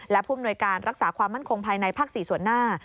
และผู้อำนวยการรักษาความมั่นคงภายในภาค๔ส่วนหน้า